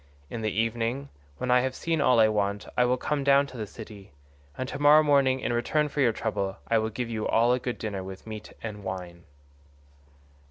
In the evening, when I have seen all I want, I will come down to the city, and to morrow morning in return for your trouble I will give you all a good dinner with meat and wine."